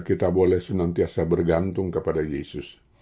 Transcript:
kita boleh senantiasa bergantung kepada yesus